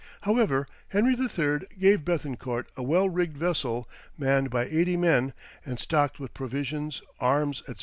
However, Henry III. gave Béthencourt a well rigged vessel manned by eighty men, and stocked with provisions, arms, &c.